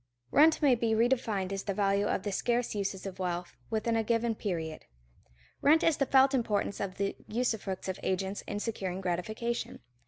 Rent may be redefined as the value of the scarce uses of wealth within a given period. Rent is the felt importance of the usufructs of agents in securing gratification.